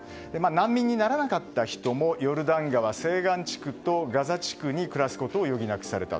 難民にならなかった人もヨルダン川西岸地区とガザ地区に暮らすことを余儀なくされた。